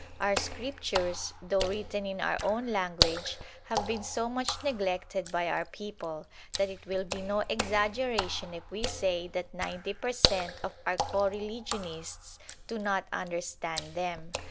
Our Scriptures, though written in our PREFACE xi own language, have been so much neglected by our people, that it will be no exaggeration if we say that ninety per cent, of our co religionists do not understand them.